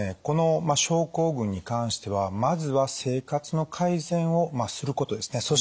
この症候群に関してはまずは生活の改善をすることですね。